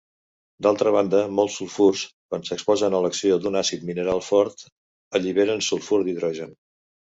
D'altra banda molts sulfurs, quan s'exposen a l'acció d'un àcid mineral fort, alliberen sulfur d'hidrogen.